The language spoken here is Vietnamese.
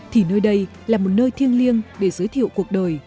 thì nơi đây là một nơi thiêng liêng để giới thiệu cuộc đời